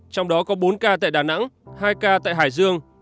trong đó có bốn ca tại đà nẵng hai ca tại hải dương